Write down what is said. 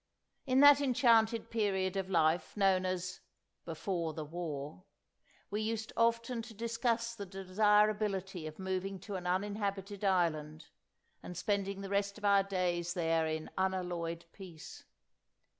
In that enchanted period of life, known as "before the War," we used often to discuss the desirability of moving to an uninhabited island and spending the rest of our days there in unalloyed peace.